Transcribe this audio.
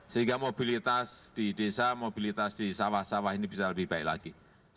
sehingga mobilitas di desa mobilitas di sawah sawah ini bisa lebih baik lagi